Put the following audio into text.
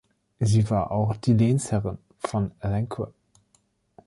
Sie war auch die Lehnsherrin von Alenquer.